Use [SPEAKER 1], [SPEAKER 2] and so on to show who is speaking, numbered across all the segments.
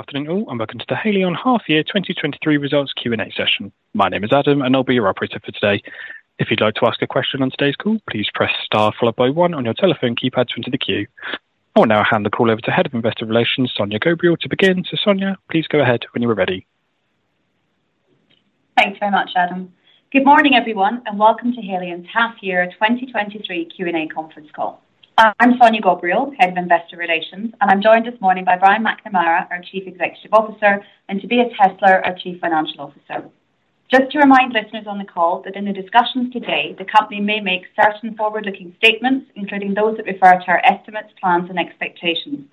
[SPEAKER 1] Good afternoon, all. Welcome to the Haleon Half Year 2023 Results Q&A session. My name is Adam. I'll be your operator for today. If you'd like to ask a question on today's call, please press star followed by one on your telephone keypad to enter the queue. I will now hand the call over to Head of Investor Relations, Sonia Gakhal, to begin. Sonia, please go ahead when you are ready.
[SPEAKER 2] Thanks very much, Adam. Good morning, everyone, welcome to Haleon Half Year 2023 Q&A conference call. I'm Sonia Gakhal, Head of Investor Relations, and I'm joined this morning by Brian McNamara, our Chief Executive Officer, and Tobias Hestler, our Chief Financial Officer. Just to remind listeners on the call that in the discussions today, the company may make certain forward-looking statements, including those that refer to our estimates, plans, and expectations.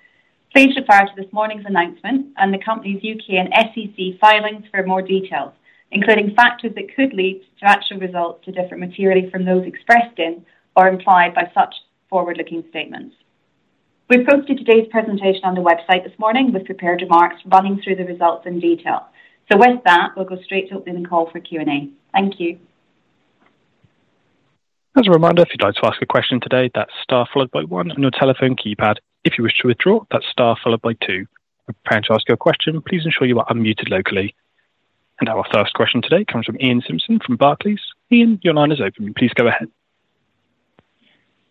[SPEAKER 2] Please refer to this morning's announcement and the company's U.K. and S.E.C. filings for more details, including factors that could lead to actual results to different materially from those expressed in or implied by such forward-looking statements. We've posted today's presentation on the website this morning with prepared remarks running through the results in detail. With that, we'll go straight to opening the call for Q&A. Thank you.
[SPEAKER 1] As a reminder, if you'd like to ask a question today, that's star followed by 1on your telephone keypad. If you wish to withdraw, that's star followed by 2. When preparing to ask your question, please ensure you are unmuted locally. Now our first question today comes from Iain Simpson from Barclays. Iain, your line is open. Please go ahead.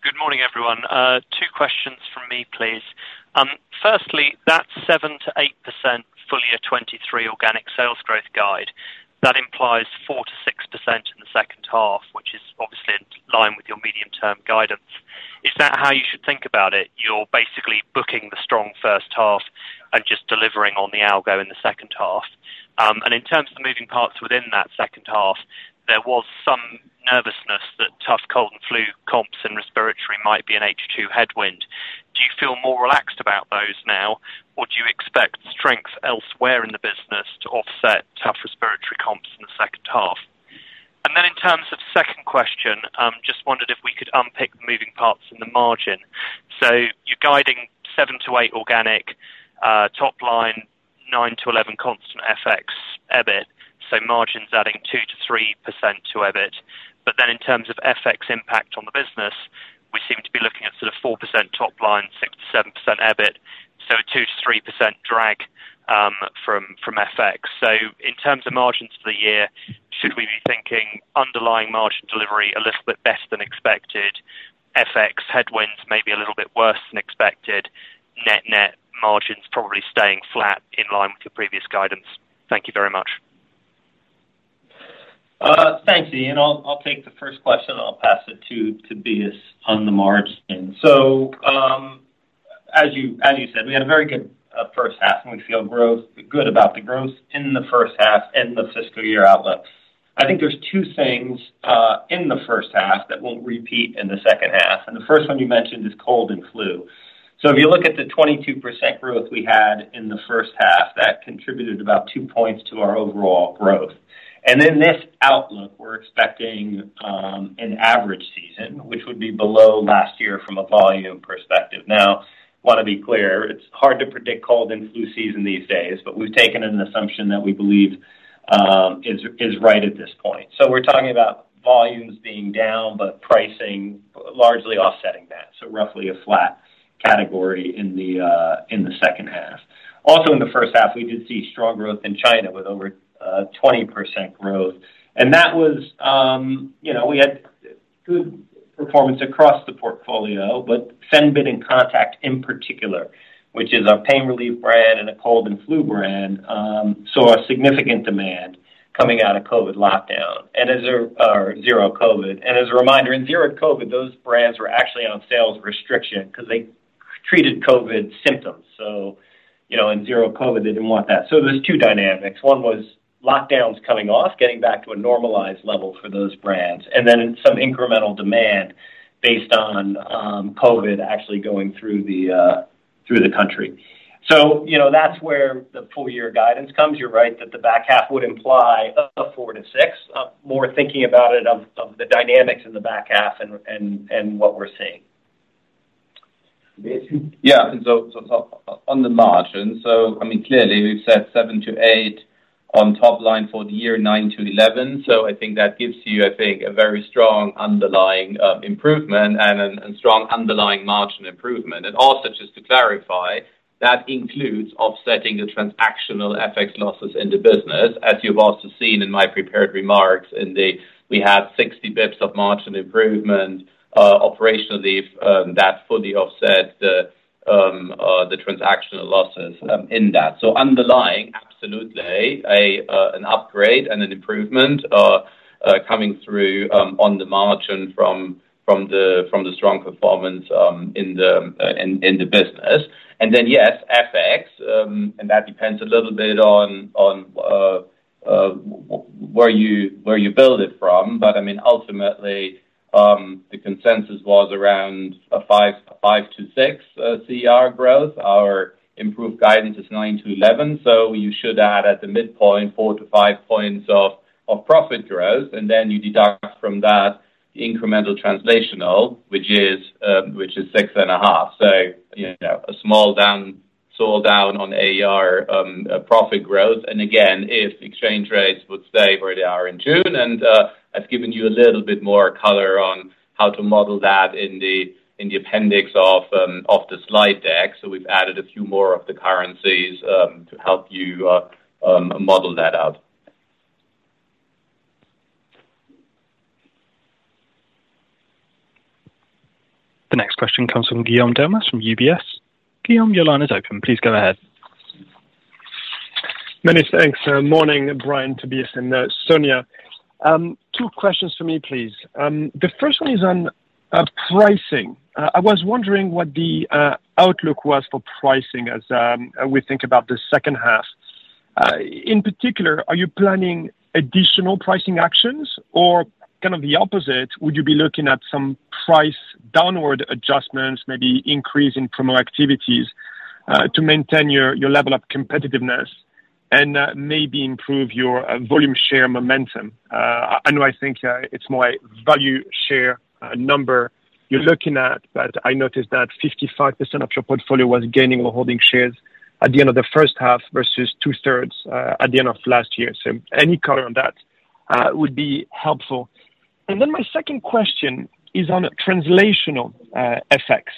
[SPEAKER 3] Good morning, everyone. Two questions from me, please. Firstly, that 7%-8% full year 2023 organic sales growth guide, that implies 4%-6% in the second half, which is obviously in line with your medium-term guidance. Is that how you should think about it? You're basically booking the strong first half and just delivering on the algo in the second half. In terms of the moving parts within that second half, there was some nervousness that tough cold and flu comps and respiratory might be an H2 headwind. Do you feel more relaxed about those now, or do you expect strength elsewhere in the business to offset tough respiratory comps in the second half? Then in terms of second question, just wondered if we could unpick the moving parts in the margin. You're guiding 7%-8% organic top line, 9%-11% constant FX EBIT, so margins adding 2%-3% to EBIT. Then in terms of FX impact on the business, we seem to be looking at sort of 4% top line, 6%-7% EBIT, so a 2%-3% drag from FX. In terms of margins for the year, should we be thinking underlying margin delivery a little bit best than expected, FX headwinds may be a little bit worse than expected, net-net margins probably staying flat in line with your previous guidance? Thank you very much.
[SPEAKER 4] Thanks, Ian. I'll, I'll take the first question, and I'll pass it to, to Tobias on the margin. As you, as you said, we had a very good first half, and we feel good about the growth in the first half and the fiscal year outlook. I think there's two things in the first half that won't repeat in the second half, and the first one you mentioned is cold and flu. If you look at the 22% growth we had in the first half, that contributed about two points to our overall growth. In this outlook, we're expecting an average season, which would be below last year from a volume perspective. Now, want to be clear, it's hard to predict cold and flu season these days, but we've taken an assumption that we believe is, is right at this point. We're talking about volumes being down, but pricing largely offsetting that, so roughly a flat category in the second half. In the first half, we did see strong growth in China with over 20% growth, and that was, you know, we had good performance across the portfolio, but Fenbid and Contac in particular, which is our pain relief brand and a cold and flu brand, saw a significant demand coming out of COVID lockdown, and as a zero COVID. As a reminder, in zero COVID, those brands were actually on sales restriction because they treated COVID symptoms. You know, in zero COVID, they didn't want that. There's two dynamics. One was lockdowns coming off, getting back to a normalized level for those brands, and then some incremental demand based on COVID actually going through the through the country. You know, that's where the full year guidance comes. You're right that the back half would imply a four to six more thinking about it, of, of the dynamics in the back half and, and, and what we're seeing.
[SPEAKER 1] Tobias?
[SPEAKER 5] Yeah, so, so on, on the margin, so I mean, clearly, we've said seven to eight on top line for the year, 9-11. I think that gives you, I think, a very strong underlying improvement and strong underlying margin improvement. Also, just to clarify, that includes offsetting the transactional FX losses in the business. As you've also seen in my prepared remarks in the-- we have 60 basis points of margin improvement operationally that fully offset the transactional losses in that. Underlying, absolutely, an upgrade and an improvement coming through on the margin from, from the, from the strong performance in the business. Yes, FX, and that depends a little bit on, on where you, where you build it from. I mean, ultimately, the consensus was around a five to six CR growth. Our improved guidance is 9-11, you should add at the midpoint, four to five points of profit growth, and then you deduct from that the incremental translational, which is 6.5. You know, a small down, small down on AR profit growth. Again, if exchange rates would stay where they are in June, I've given you a little bit more color on how to model that in the appendix of the slide deck. We've added a few more of the currencies to help you model that out.
[SPEAKER 1] The next question comes from Guillaume Delmas from UBS. Guillaume, your line is open. Please go ahead.
[SPEAKER 6] Many thanks. Morning, Brian, Tobias, and Sonia. two questions for me, please. The first one is on pricing. I was wondering what the outlook was for pricing as we think about the second half. In particular, are you planning additional pricing actions or kind of the opposite? Would you be looking at some price downward adjustments, maybe increase in promo activities, to maintain your level of competitiveness and maybe improve your volume share momentum? I know I think it's more a value share number you're looking at, but I noticed that 55% of your portfolio was gaining or holding shares at the end of the first half versus two-thirds at the end of last year. Any color on that would be helpful. Then my second question is on translational effects,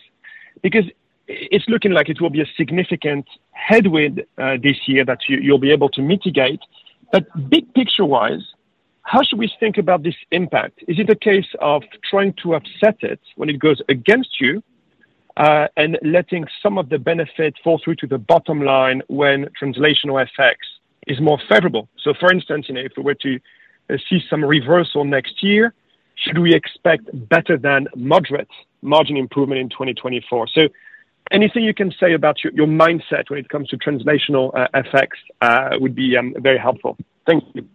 [SPEAKER 6] because it's looking like it will be a significant headwind this year that you, you'll be able to mitigate. Big picture-wise, how should we think about this impact? Is it a case of trying to offset it when it goes against you, and letting some of the benefit fall through to the bottom line when translational effects is more favorable? For instance, you know, if we were to see some reversal next year, should we expect better than moderate margin improvement in 2024? Anything you can say about your, your mindset when it comes to translational effects, would be very helpful. Thank you.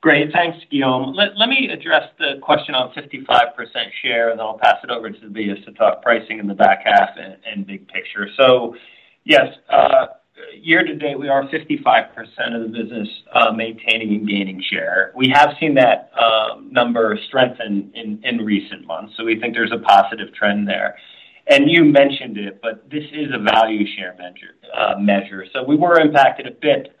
[SPEAKER 4] Great. Thanks, Guillaume. Let me address the question on 55% share, and then I'll pass it over to Tobias to talk pricing in the back half and big picture. Yes, year to date, we are 55% of the business, maintaining and gaining share. We have seen that number strengthen in recent months, so we think there's a positive trend there. You mentioned it, but this is a value share measure. We were impacted a bit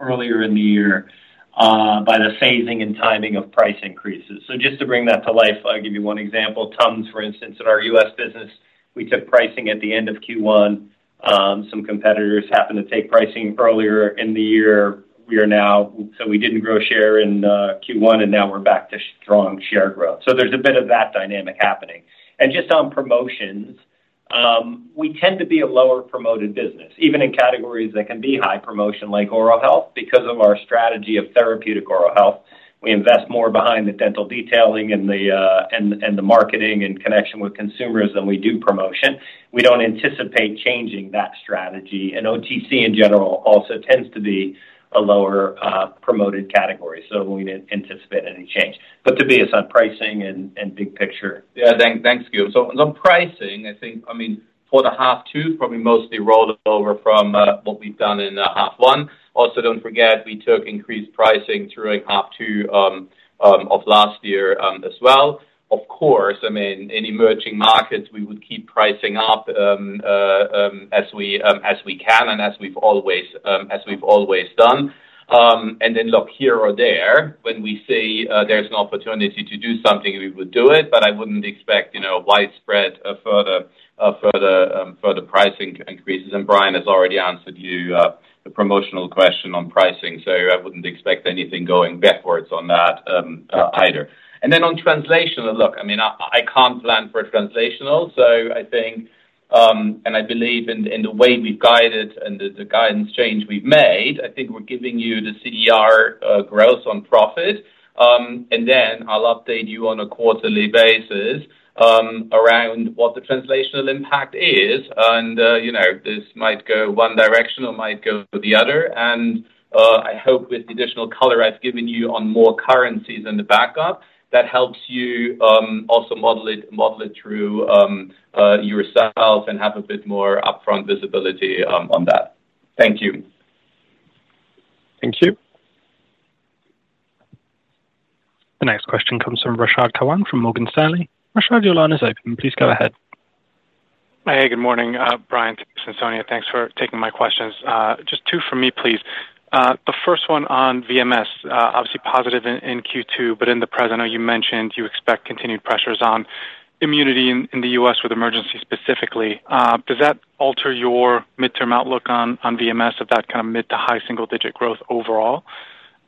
[SPEAKER 4] earlier in the year by the phasing and timing of price increases. Just to bring that to life, I'll give you one example. Tums, for instance, in our U.S. business, we took pricing at the end of Q1. Some competitors happened to take pricing earlier in the year. We are now... We didn't grow share in Q1, and now we're back to strong share growth. Just on promotions, we tend to be a lower promoted business, even in categories that can be high promotion, like oral health. Because of our strategy of therapeutic oral health, we invest more behind the dental detailing and the marketing and connection with consumers than we do promotion. We don't anticipate changing that strategy. OTC in general also tends to be a lower promoted category. We didn't anticipate any change. Tobias, on pricing and big picture.
[SPEAKER 5] Yeah, thank, thanks, Guillaume. On pricing, I think, I mean, for the half 2, probably mostly rolled over from what we've done in half 1. Also, don't forget, we took increased pricing during half two of last year as well. Of course, I mean, in emerging markets, we would keep pricing up as we as we can and as we've always as we've always done. Then look here or there when we see there's an opportunity to do something, we would do it, but I wouldn't expect, you know, widespread further further further pricing increases. Brian has already answered you the promotional question on pricing, so I wouldn't expect anything going backwards on that either. Then on translational, look, I mean, I, I can't plan for translational, so I think, and I believe in the, in the way we've guided and the, the guidance change we've made, I think we're giving you the CDR growth on profit. Then I'll update you on a quarterly basis around what the translational impact is. You know, this might go one direction or might go the other. I hope with the additional color I've given you on more currencies in the backup, that helps you also model it, model it through yourself and have a bit more upfront visibility on that. Thank you.
[SPEAKER 1] Thank you. The next question comes from Rashad Kawan from Morgan Stanley. Rashad, your line is open. Please go ahead.
[SPEAKER 7] Hey, good morning, Brian, Tobias, and Sonia. Thanks for taking my questions. Just two for me, please. The first one on VMS, obviously positive in, in Q2, but in the present, I know you mentioned you expect continued pressures on immunity in, in the US with Emergen-C specifically. Does that alter your midterm outlook on, on VMS of that kind of mid to high single-digit growth overall?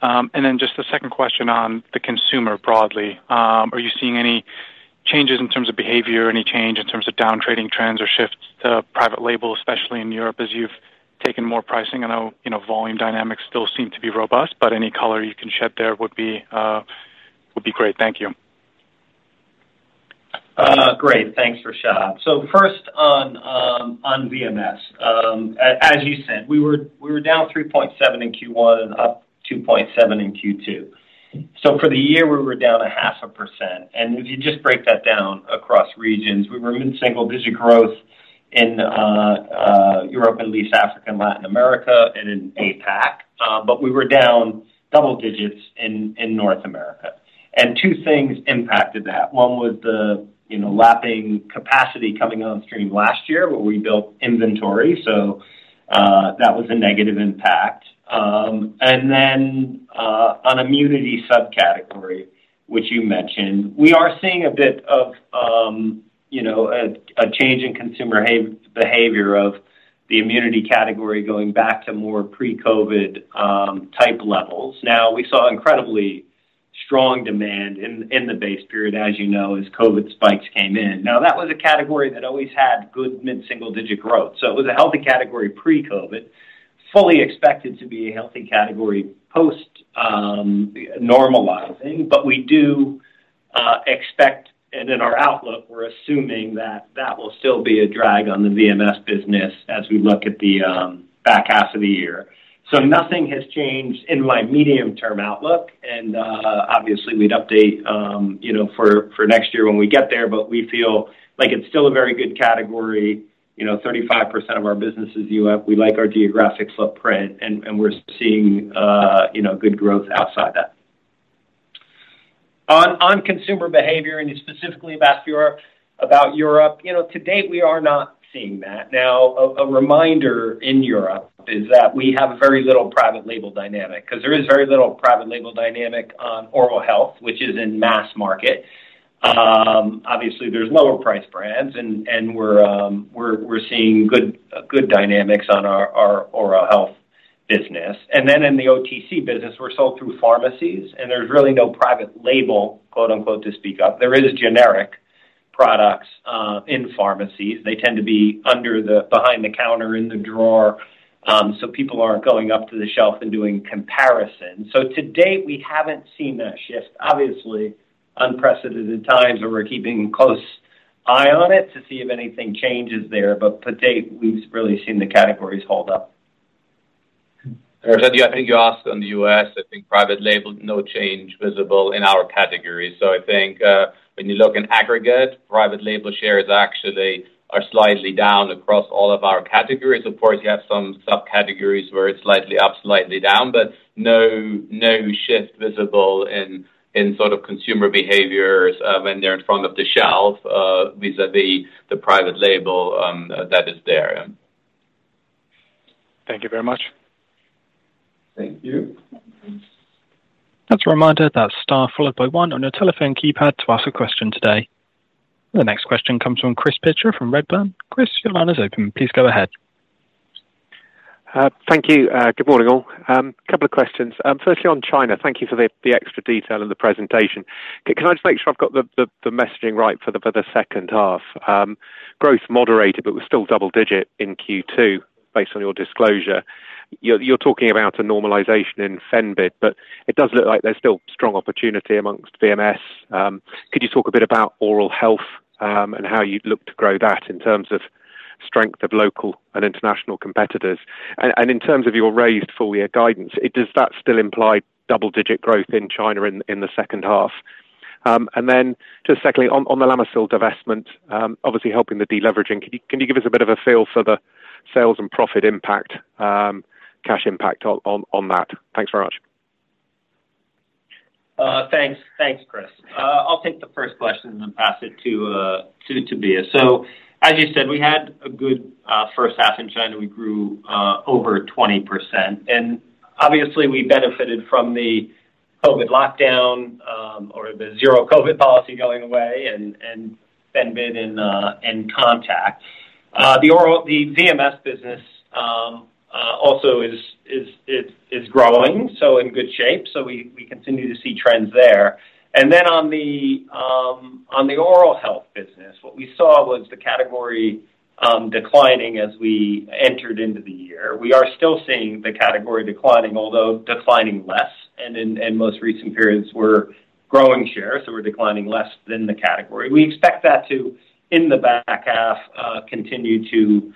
[SPEAKER 7] Then just the second question on the consumer broadly, are you seeing any changes in terms of behavior, any change in terms of down trading trends or shifts to private label, especially in Europe, as you've taken more pricing? I know, you know, volume dynamics still seem to be robust, but any color you can shed there would be great. Thank you.
[SPEAKER 4] Great. Thanks, Rashad. First on VMS. As you said, we were down 3.7 in Q1 and up 2.7 in Q2. For the year, we were down 0.5%, and if you just break that down across regions, we were in single-digit growth in Europe, Middle East, Africa, and Latin America and in APAC, but we were down double-digits in North America. Two things impacted that. One was the, you know, lapping capacity coming on stream last year, where we built inventory. That was a negative impact. Then on immunity subcategory, which you mentioned, we are seeing a bit of, you know, a change in consumer behavior of the immunity category going back to more pre-COVID type levels. We saw incredibly strong demand in, in the base period, as you know, as COVID spikes came in. That was a category that always had good mid-single-digit growth, so it was a healthy category pre-COVID, fully expected to be a healthy category post, normalizing. We do expect, and in our outlook, we're assuming that that will still be a drag on the VMS business as we look at the back half of the year. Nothing has changed in my medium-term outlook, and, obviously, we'd update, you know, for, for next year when we get there. We feel like it's still a very good category. You know, 35% of our business is UF. We like our geographic footprint, and, and we're seeing, you know, good growth outside that. On, on consumer behavior, you specifically asked about Europe, you know, to date, we are not seeing that. A reminder in Europe is that we have very little private label dynamic, 'cause there is very little private label dynamic on oral health, which is in mass market. Obviously, there's lower priced brands and we're, we're seeing good dynamics on our, our oral health business. Then in the OTC business, we're sold through pharmacies, and there's really no "private label," quote, unquote, to speak of. There is generic products in pharmacies. They tend to be under the behind the counter, in the drawer, so people aren't going up to the shelf and doing comparison. To date, we haven't seen that shift. Obviously, unprecedented times, and we're keeping close eye on it to see if anything changes there, but to date, we've really seen the categories hold up.
[SPEAKER 5] I said, I think you asked on the US, I think private label, no change visible in our categories. I think, when you look in aggregate, private label shares actually are slightly down across all of our categories. Of course, you have some subcategories where it's slightly up, slightly down, but no, no shift visible in, in sort of consumer behaviors, when they're in front of the shelf, vis-à-vis the private label, that is there.
[SPEAKER 7] Thank you very much.
[SPEAKER 4] Thank you.
[SPEAKER 1] That's a reminder that star followed by one on your telephone keypad to ask a question today. The next question comes from Chris Pitcher from Redburn. Chris, your line is open. Please go ahead.
[SPEAKER 8] Thank you. Good morning, all. A couple of questions. Firstly, on China, thank you for the extra detail in the presentation. Can I just make sure I've got the messaging right for the second half? Growth moderated, but was still double-digit in Q2, based on your disclosure. You're talking about a normalization in Fenbid, but it does look like there's still strong opportunity amongst VMS. Could you talk a bit about oral health, and how you'd look to grow that in terms of strength of local and international competitors? In terms of your raised full year guidance, does that still imply double-digit growth in China in the second half? Then just secondly, on, on the Lamisil divestment, obviously helping the deleveraging, can you, can you give us a bit of a feel for the sales and profit impact, cash impact on, on, on that? Thanks very much.
[SPEAKER 4] Thanks. Thanks, Chris. I'll take the first question and then pass it to Tobias. As you said, we had a good first half in China. We grew over 20%, and obviously, we benefited from the COVID lockdown, or the zero-COVID policy going away and Fenbid and Contact. The oral-- the VMS business also is growing, so in good shape. We continue to see trends there. On the oral health business, what we saw was the category declining as we entered into the year. We are still seeing the category declining, although declining less, and in, in most recent periods, we're growing share, so we're declining less than the category. We expect that to, in the back half, continue to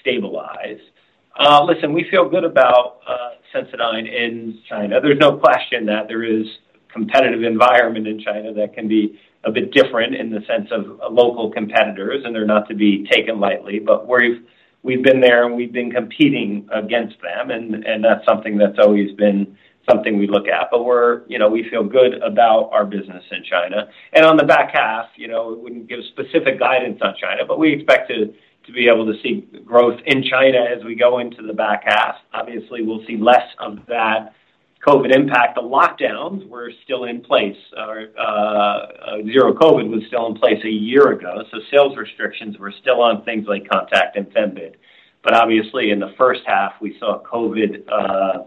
[SPEAKER 4] stabilize. Listen, we feel good about Sensodyne in China. There's no question that there is competitive environment in China that can be a bit different in the sense of local competitors, and they're not to be taken lightly. We've, we've been there, and we've been competing against them, and that's something that's always been something we look at. You know, we feel good about our business in China. On the back half, you know, we wouldn't give specific guidance on China, but we expect to be able to see growth in China as we go into the back half. Obviously, we'll see less of that COVID impact. The lockdowns were still in place. Our zero COVID was still in place a year ago, so sales restrictions were still on things like Contac and Fenbid. Obviously, in the first half, we saw COVID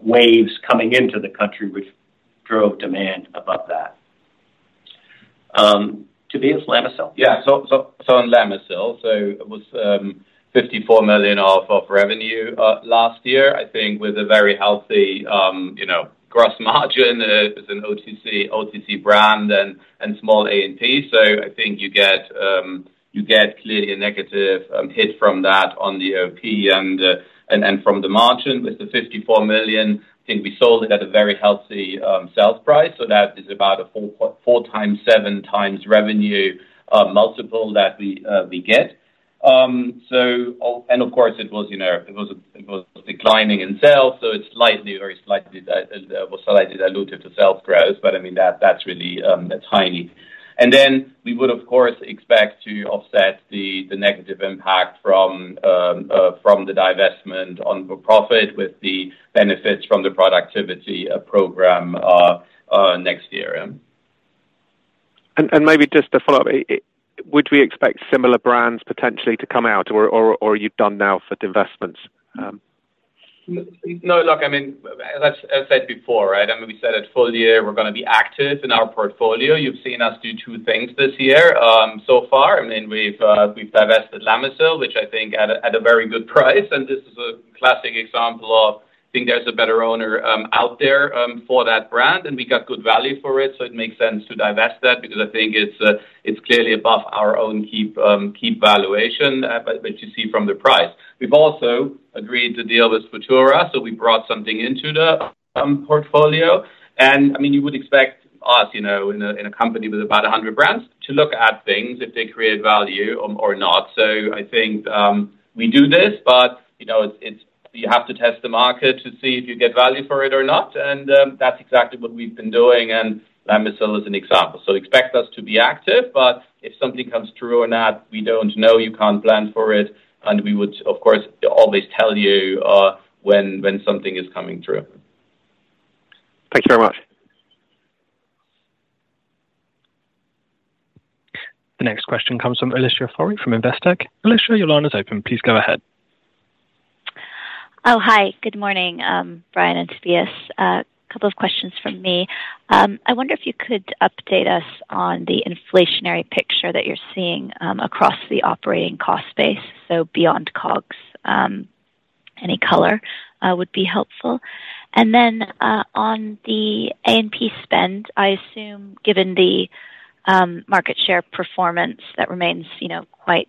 [SPEAKER 4] waves coming into the country, which drove demand above that. Tobias, Lamisil.
[SPEAKER 5] Yeah. On Lamisil, it was $54 million of revenue last year, I think with a very healthy, you know, gross margin. It's an OTC, OTC brand and small A&P. I think you get clearly a negative hit from that on the OP and from the margin with the $54 million, I think we sold it at a very healthy sales price, so that is about a four times, seven times revenue multiple that we get. And of course, it was, you know, it was declining in sales, so it's slightly, very slightly, was slightly dilutive to sales growth, but, I mean, that, that's really tiny. Then we would, of course, expect to offset the, the negative impact from, from the divestment on the profit with the benefits from the productivity program next year.
[SPEAKER 8] ...maybe just to follow up, would we expect similar brands potentially to come out, or are you done now for divestments?
[SPEAKER 5] No, look, I mean, as, as said before, right? I mean, we said at full year, we're going to be active in our portfolio. You've seen us do two things this year, so far. I mean, we've divested Lamisil, which I think at a very good price, and this is a classic example of I think there's a better owner out there for that brand, and we got good value for it, so it makes sense to divest that because I think it's clearly above our own keep valuation, but which you see from the price. We've also agreed to deal with Futura, so we brought something into the portfolio. I mean, you would expect us, you know, in a, in a company with about 100 brands, to look at things if they create value or, or not. I think, we do this, but, you know, it's, it's you have to test the market to see if you get value for it or not, and, that's exactly what we've been doing, and Lamisil is an example. Expect us to be active, but if something comes through or not, we don't know, you can't plan for it, and we would, of course, always tell you, when, when something is coming through.
[SPEAKER 8] Thank you very much.
[SPEAKER 1] The next question comes from Alicia Forry from Investec. Alicia, your line is open. Please go ahead.
[SPEAKER 9] Oh, hi, good morning, Brian and Tobias. two questions from me. I wonder if you could update us on the inflationary picture that you're seeing across the operating cost base, so beyond COGS. Any color would be helpful. On the A&P spend, I assume, given the market share performance that remains, you know, quite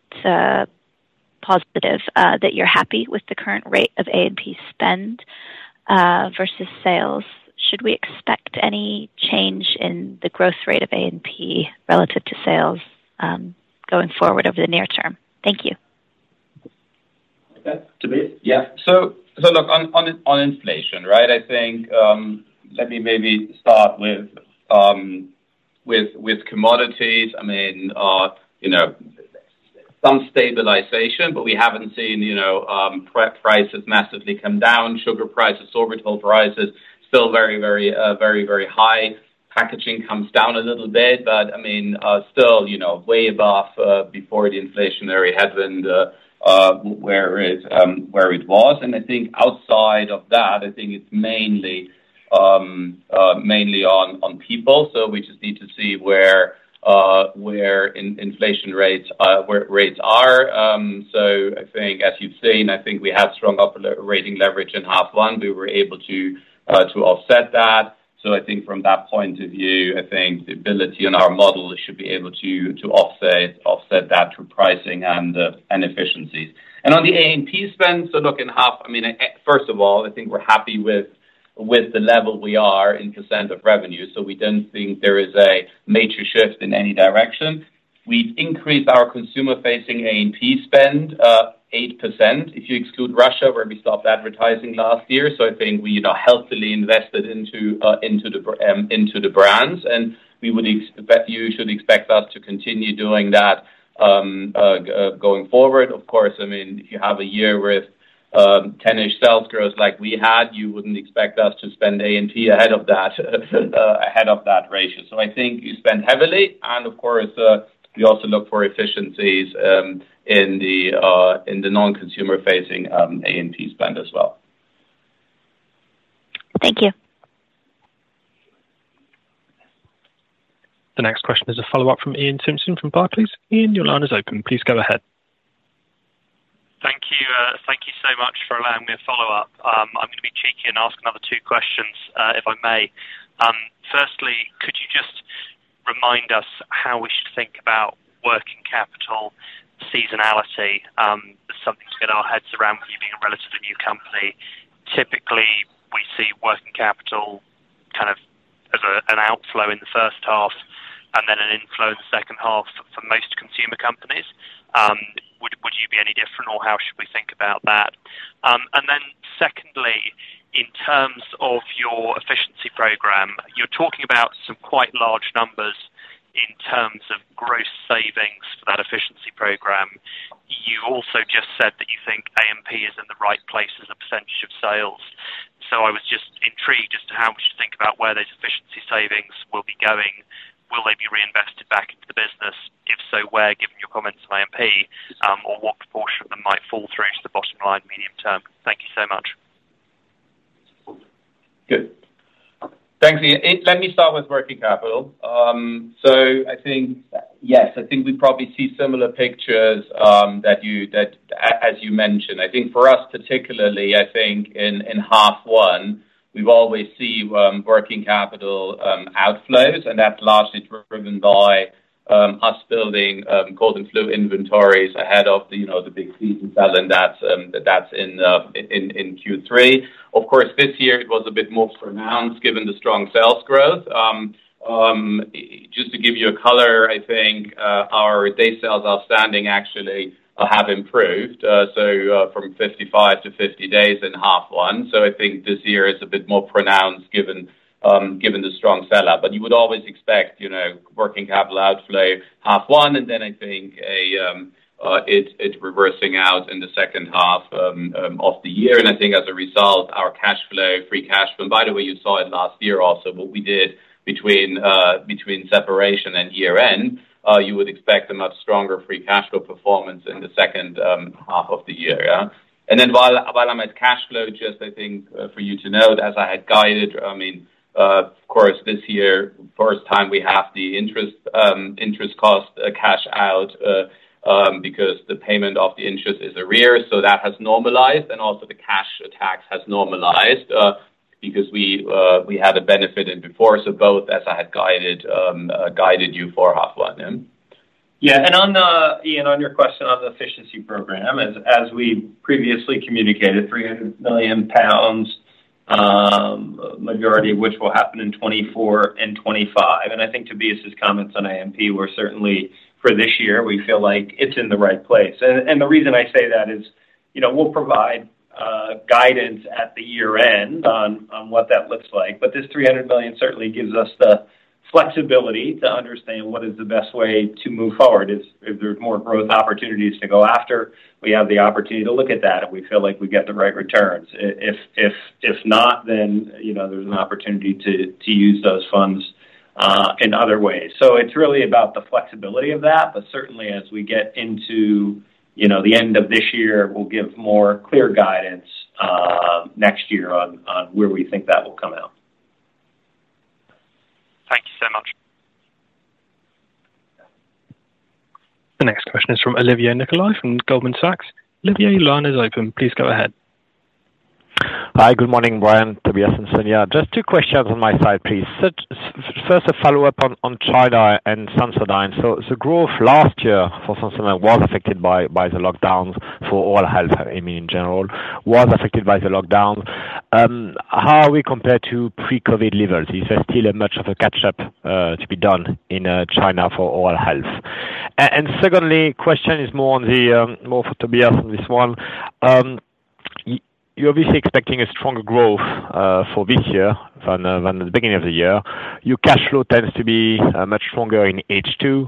[SPEAKER 9] positive, that you're happy with the current rate of A&P spend versus sales. Should we expect any change in the growth rate of A&P relative to sales going forward over the near term? Thank you.
[SPEAKER 5] Okay. Tobias? Yeah. Look, on, on, on inflation, right? I think, let me maybe start with, with commodities. I mean, you know, some stabilization, but we haven't seen, you know, prices massively come down. Sugar prices, sorbitol prices, still very, very, very, very high. Packaging comes down a little bit, but, I mean, still, you know, way off before the inflationary happened where it where it was. I think outside of that, I think it's mainly mainly on, on people. We just need to see where where inflation rates where rates are. I think as you've seen, I think we have strong operating leverage in half 1. We were able to to offset that. I think from that point of view, I think the ability in our model should be able to, to offset, offset that through pricing and efficiencies. On the A&P spend, look, in half... I mean, first of all, I think we're happy with the level we are in percent of revenue, so we don't think there is a major shift in any direction. We increased our consumer-facing A&P spend, 8%, if you exclude Russia, where we stopped advertising last year. I think we, you know, healthily invested into the brands, and we would ex- you should expect us to continue doing that going forward. Of course, I mean, if you have a year with 10-ish sales growth like we had, you wouldn't expect us to spend A&P ahead of that ahead of that ratio. I think you spend heavily, and of course, we also look for efficiencies in the in the non-consumer-facing A&P spend as well.
[SPEAKER 9] Thank you.
[SPEAKER 1] The next question is a follow-up from Iain Simpson from Barclays. Ian, your line is open. Please go ahead.
[SPEAKER 3] Thank you. Thank you so much for allowing me to follow up. I'm going to be cheeky and ask another two questions, if I may. Firstly, could you just remind us how we should think about working capital seasonality? Something to get our heads around with you being a relatively new company. Typically, we see working capital kind of as an outflow in the first half and then an inflow in the second half for most consumer companies. Would, would you be any different, or how should we think about that? Then secondly, in terms of your efficiency program, you're talking about some quite large numbers in terms of gross savings for that efficiency program. You also just said that you think A&P is in the right place as a percentage of sales. I was just intrigued as to how we should think about where those efficiency savings will be going. Will they be reinvested back into the business? If so, where, given your comments on A&P, or what proportion of them might fall through to the bottom line medium term? Thank you so much.
[SPEAKER 5] Good. Thanks, Ian. Let me start with working capital. I think, yes, I think we probably see similar pictures that you, that a-as you mentioned. I think for us, particularly, I think in, in half 1, we've always see working capital outflows, and that's largely driven by us building cold and flu inventories ahead of the, you know, the big season sell, and that's that's in in Q3. Of course, this year it was a bit more pronounced given the strong sales growth. Just to give you a color, I think our day sales outstanding actually have improved so from 55 to 50 days in half 1. I think this year is a bit more pronounced given given the strong seller. You would always expect, you know, working capital outflow half 1, and then I think it's reversing out in the second half of the year. I think as a result, our cash flow, free cash flow, by the way, you saw it last year also, what we did between separation and year-end, you would expect a much stronger free cash flow performance in the second half of the year, yeah. Then while, while I'm at cash flow, just I think, for you to note, as I had guided, I mean, of course, this year, first time we have the interest, interest cost, cash out, because the payment of the interest is arrears. That has normalized, and also the cash tax has normalized, because we, we had a benefit in before. Both, as I had guided, guided you for half one in.
[SPEAKER 4] Iain, on your question on the efficiency program, as, as we previously communicated, 300 million pounds, majority of which will happen in 2024 and 2025. I think Tobias' comments on AMP were certainly for this year, we feel like it's in the right place. The reason I say that is, you know, we'll provide guidance at the year-end on what that looks like. This 300 million certainly gives us the flexibility to understand what is the best way to move forward. If there's more growth opportunities to go after, we have the opportunity to look at that, if we feel like we get the right returns. If not, then, you know, there's an opportunity to use those funds in other ways. It's really about the flexibility of that, but certainly as we get into, you know, the end of this year, we'll give more clear guidance next year on, on where we think that will come out.
[SPEAKER 3] Thank you so much.
[SPEAKER 1] The next question is from Olivier Nicolai, from Goldman Sachs. Olivier, your line is open. Please go ahead.
[SPEAKER 10] Hi, good morning, Brian, Tobias, and Sonia. Just two questions on my side, please. First, a follow-up on China and Sensodyne. The growth last year for Sensodyne was affected by the lockdowns for oral health, I mean, in general, was affected by the lockdown. How are we compared to pre-COVID levels? Is there still much of a catch-up to be done in China for oral health? Secondly, question is more for Tobias on this one. You're obviously expecting a stronger growth for this year than the beginning of the year. Your cash flow tends to be much stronger in H2.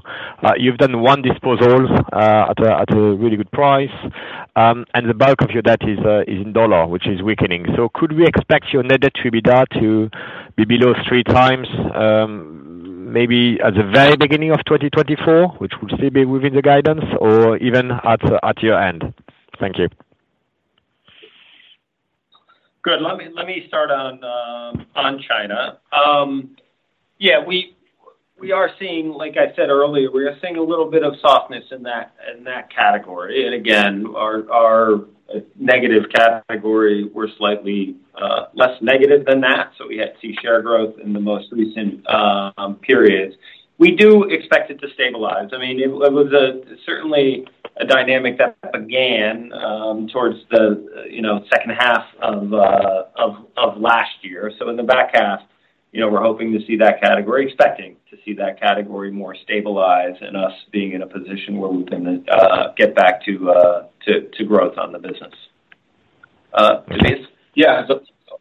[SPEAKER 10] You've done 1 disposal at a really good price, and the bulk of your debt is in dollar, which is weakening. Could we expect your net debt to be down, to be below three times, maybe at the very beginning of 2024, which would still be within the guidance, or even at, at year-end? Thank you.
[SPEAKER 4] Good. Let me, let me start on China. Yeah, we, we are seeing, like I said earlier, we are seeing a little bit of softness in that, in that category. Again, our, our negative category were slightly less negative than that, so we had to see share growth in the most recent periods. We do expect it to stabilize. I mean, it was a certainly a dynamic that began towards the, you know, second half of last year. In the back half, you know, we're hoping to see that category, expecting to see that category more stabilized and us being in a position where we can get back to, to growth on the business. Tobias?
[SPEAKER 5] Yeah. On,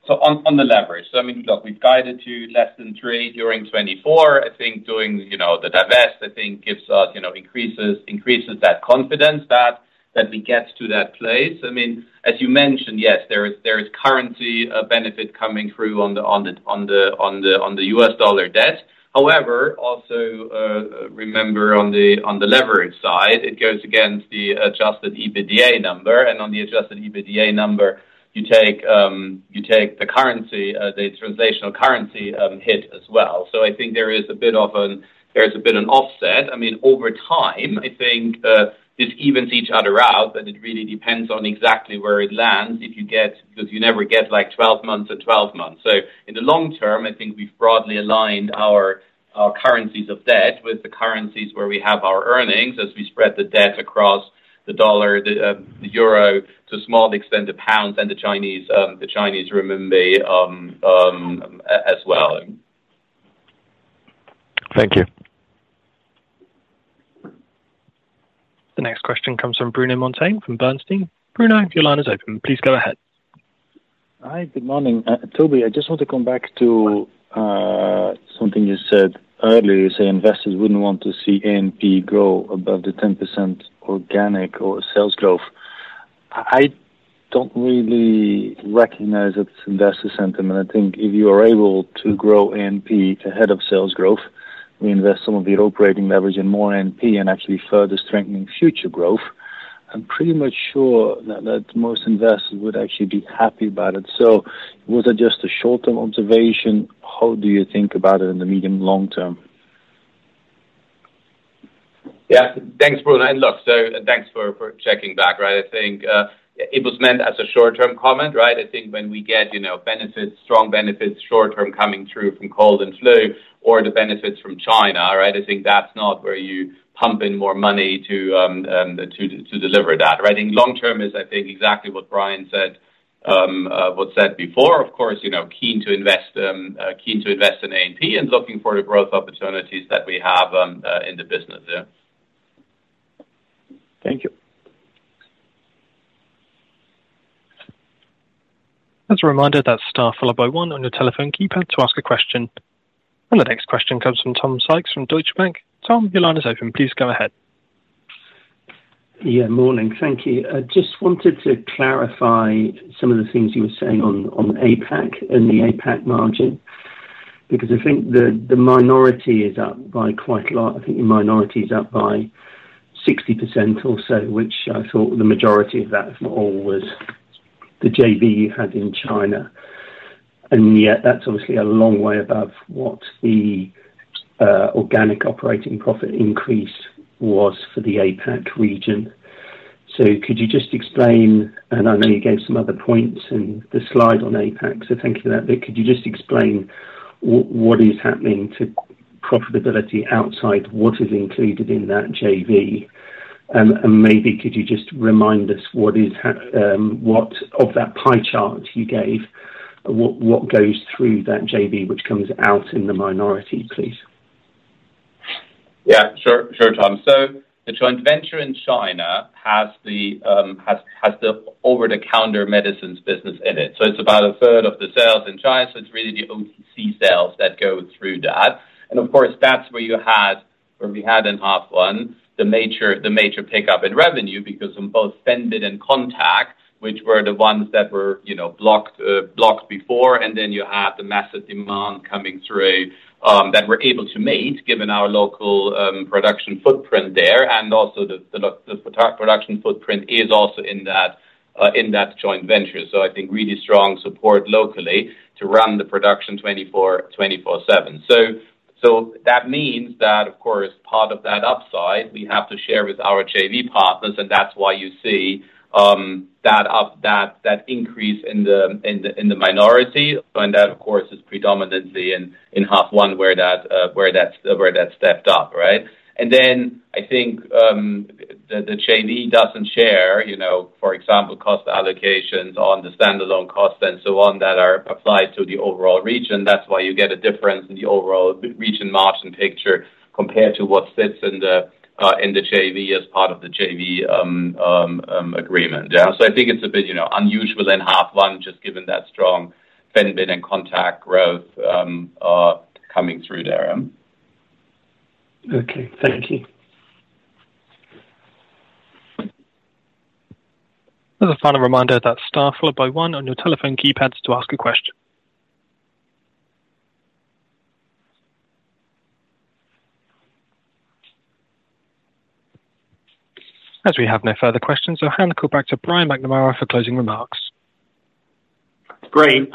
[SPEAKER 5] on the leverage. I mean, look, we've guided to less than three during 2024. I think doing, you know, the divest, I think, gives us, you know, increases, increases that confidence that, that we get to that place. I mean, as you mentioned, yes, there is, there is currently a benefit coming through on the, on the, on the, on the, on the US dollar debt. Also, remember on the, on the leverage side, it goes against the adjusted EBITDA number, and on the adjusted EBITDA number, you take the currency, the translational currency hit as well. I think there is a bit of an there is a bit an offset. I mean, over time, I think, this evens each other out, but it really depends on exactly where it lands, if you get... You never get like 12 months or 12 months. In the long term, I think we've broadly aligned our currencies of debt with the currencies where we have our earnings as we spread the debt across the U.S. dollar, the euro, to small extent, the pounds and the Chinese renminbi as well.
[SPEAKER 10] Thank you.
[SPEAKER 1] The next question comes from Bruno Monteyne, from Bernstein. Bruno, your line is open. Please go ahead.
[SPEAKER 11] Hi, good morning. Toby, I just want to come back to something you said earlier. You say investors wouldn't want to see A&P grow above the 10% organic or sales growth. I don't really recognize it's investor sentiment. I think if you are able to grow A&P ahead of sales growth, we invest some of the operating leverage in more A&P and actually further strengthening future growth, I'm pretty much sure that most investors would actually be happy about it. Was it just a short-term observation? How do you think about it in the medium long term?
[SPEAKER 5] Yeah. Thanks, Bruno, and look, so thanks for, for checking back, right. I think, it was meant as a short-term comment, right? I think when we get, you know, benefits, strong benefits, short-term coming through from cold and flu or the benefits from China, right? I think that's not where you pump in more money to, to deliver that, right? I think long term is, I think, exactly what Brian said, what's said before. Of course, you know, keen to invest, keen to invest in A&P and looking for the growth opportunities that we have, in the business there.
[SPEAKER 11] Thank you.
[SPEAKER 1] As a reminder, that's star followed by one on your telephone keypad to ask a question. The next question comes from Tom Sykes from Deutsche Bank. Tom, your line is open. Please go ahead.
[SPEAKER 12] Yeah, morning. Thank you. I just wanted to clarify some of the things you were saying on, on APAC and the APAC margin, because I think the, the minority is up by quite a lot. I think the minority is up by 60% or so, which I thought the majority of that, if not all, was the JV you had in China. Yet that's obviously a long way above what the organic operating profit increase was for the APAC region. Could you just explain, and I know you gave some other points in the slide on APAC, so thank you for that. Could you just explain what, what is happening to profitability outside what is included in that JV? Maybe could you just remind us what is what of that pie chart you gave, what, what goes through that JV, which comes out in the minority, please?
[SPEAKER 5] Yeah, sure. Sure, Tom. The joint venture in China has the, has, has the over-the-counter medicines business in it. It's about a third of the sales in China, so it's really the OTC sales that go through that. Of course, that's where you had, where we had in half one, the major, the major pickup in revenue, because on both Fenbid and Contact, which were the ones that were, you know, blocked, blocked before, and then you had the massive demand coming through, that we're able to meet, given our local production footprint there, and also the, the, the production footprint is also in that, in that joint venture. I think really strong support locally to run the production 24/7. That means that, of course, part of that upside, we have to share with our JV partners, and that's why you see that up, that, that increase in the, in the, in the minority. That, of course, is predominantly in, in half one, where that's, where that stepped up, right? I think the, the JV doesn't share, you know, for example, cost allocations on the standalone costs and so on, that are applied to the overall region. That's why you get a difference in the overall region margin picture compared to what sits in the JV as part of the JV agreement. I think it's a bit, you know, unusual in half one, just given that strong Fenbid and Contact growth coming through there.
[SPEAKER 12] Okay, thank you.
[SPEAKER 1] As a final reminder, that's star followed by one on your telephone keypads to ask a question. As we have no further questions, I'll hand the call back to Brian McNamara for closing remarks.
[SPEAKER 4] Great.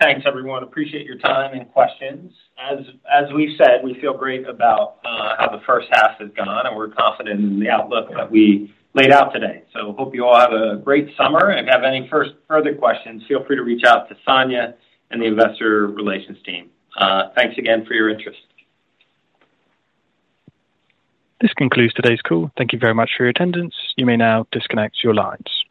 [SPEAKER 4] Thanks, everyone. Appreciate your time and questions. As, as we've said, we feel great about how the first half has gone, and we're confident in the outlook that we laid out today. Hope you all have a great summer, and if you have any further questions, feel free to reach out to Sonia and the investor relations team. Thanks again for your interest.
[SPEAKER 1] This concludes today's call. Thank you very much for your attendance. You may now disconnect your lines.